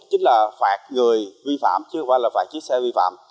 chính là phạt người vi phạm chứ không phải là phạt chiếc xe vi phạm